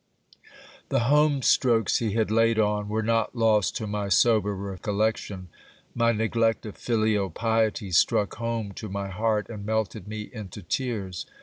The home strokes he had laid on were not lost to my sober recollection. My neglect of filial piety struck home to my heart, and melted me into tears.